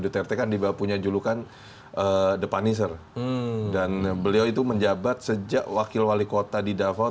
duterte kan dibawa punya julukan depaniser dan beliau itu menjabat sejak wakil wali kota di dava